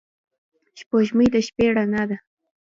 سپوږمۍ د شپې رڼا ده